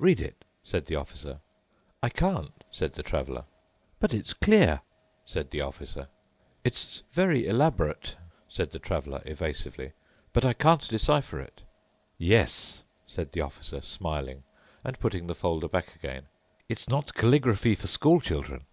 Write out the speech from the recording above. "Read it," said the Officer. "I can't," said the Traveler. "But it's clear," said the Officer." "It's very elaborate," said the Traveler evasively, "but I can't decipher it." "Yes," said the Officer, smiling and putting the folder back again, "it's not calligraphy for school children.